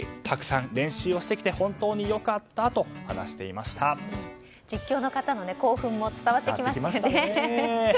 たくさん練習をしてきて本当によかったと実況の方の興奮も伝わってきましたよね。